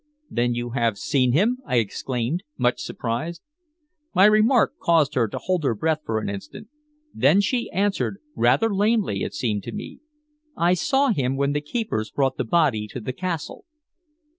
"Then you have seen him?" I exclaimed, much surprised. My remark caused her to hold her breath for an instant. Then she answered, rather lamely, it seemed to me: "I saw him when the keepers brought the body to the castle."